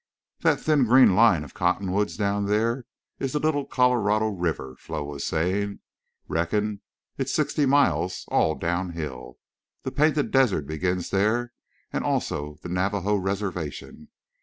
"That thin green line of cottonwoods down there is the Little Colorado River," Flo was saying. "Reckon it's sixty miles, all down hill. The Painted Desert begins there and also the Navajo Reservation.